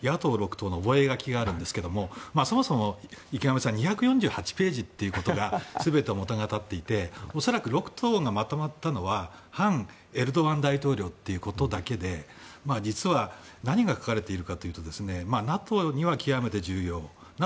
党の覚書があるんですけどそもそも池上さん２４８ページということが全てを物語っていて恐らく６党がまとまったのは反エルドアン大統領ということだけで実は何が書かれているかというとＮＡＴＯは極めて重要。